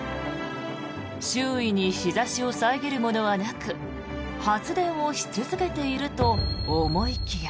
周囲に日差しを遮るものはなく発電をし続けていると思いきや。